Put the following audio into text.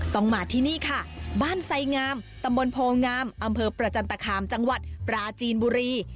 ต้องมาที่นี่ค่ะบ้านไสงามตำบลโพงามอำเภอประจันตคามจังหวัดปราจีนบุรี